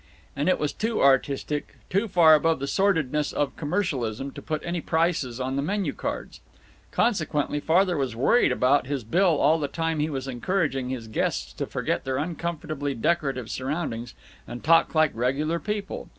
And it was too artistic, too far above the sordidness of commercialism, to put any prices on the menu cards. Consequently Father was worried about his bill all the time he was encouraging his guests to forget their uncomfortably decorative surroundings and talk like regular people.